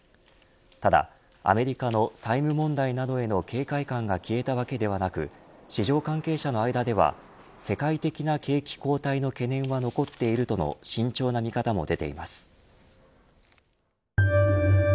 ただ、アメリカの債務問題などへの警戒感が消えたわけではなく市場関係者の間では世界的な景気後退の懸念は残っているとの慎重な見方も出ています。